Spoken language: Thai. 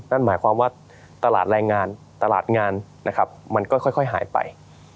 นั่นหมายความว่าตลาดแรงงานตลาดงานนะครับมันก็ค่อยหายไป